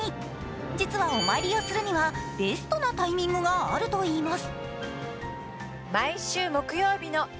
実はお参りをするにはベストなタイミングがあるといいます。